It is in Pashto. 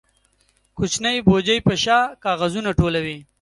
کوچنی بوجۍ په شا کاغذونه ټولوي.